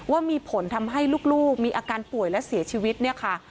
ว่ามีผลทำให้ลูกมีอาการป่วยและเสียชีวิตเนี่ยค่ะ